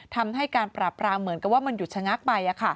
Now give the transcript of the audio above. ทำให้การปราบรามเหมือนกับว่ามันหยุดชะงักไป